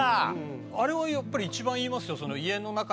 あれはやっぱり一番言いますよ。